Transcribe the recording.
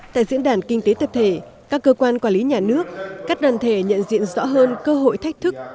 tại diễn đàn kinh tế tập thể các cơ quan quản lý nhà nước các đoàn thể nhận diện rõ hơn cơ hội thách thức